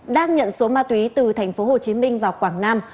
đang nhận số ma tùy từ tp hcm vào quảng nam